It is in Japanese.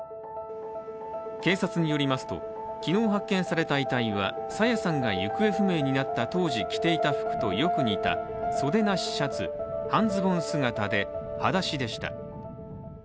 警察によりますと昨日発見された遺体は朝芽さんが行方不明になった当時着ていた服とよく似た袖なしシャツ、半ズボン姿ではだしでした。